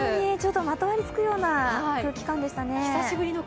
まとわりつくような空気感でしたね。